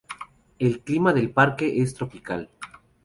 El clima del parque es tropical.